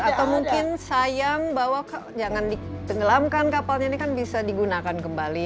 atau mungkin sayang bahwa jangan ditenggelamkan kapalnya ini kan bisa digunakan kembali